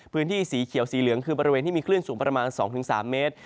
พื้นที่สีเขียวสีเหลืองคือบริเวณที่มีคลื่นสูงประมาณ๒๓เมตร